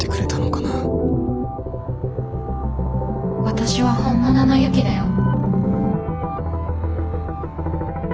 私は本物のユキだよ。